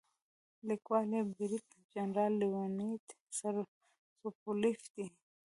لیکوال یې برید جنرال لیونید سوبولیف دی.